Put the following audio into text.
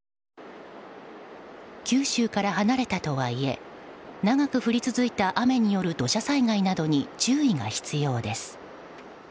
九州から離れたとはいえ長く降り続いた雨による土砂災害などに注意が必要です。